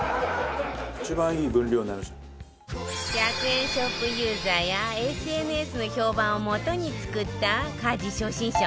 １００円ショップユーザーや ＳＮＳ の評判を基に作った家事初心者